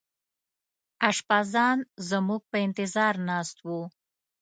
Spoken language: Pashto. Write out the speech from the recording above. اشپزان زموږ په انتظار ناست وو.